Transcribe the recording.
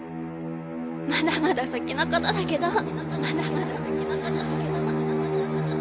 「まだまだ先のことだけどぉ」